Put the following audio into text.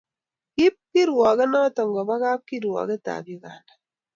Kikiip kirwokenoto koba kapkirwokekab Uganda.